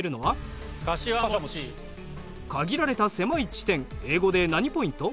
限られた狭い地点英語で何ポイント？